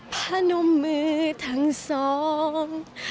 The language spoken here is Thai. ผนมือทั้งสอง